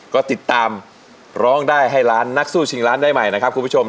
ก็ติดตามร้องได้ให้ล้านนักสู้ชิงล้านได้ใหม่นะครับคุณผู้ชม